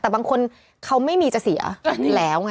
แต่บางคนเขาไม่มีจะเสียแล้วไง